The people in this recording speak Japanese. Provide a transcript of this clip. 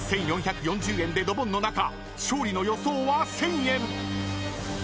［１，４４０円でドボンの中勝利の予想は１，０００円］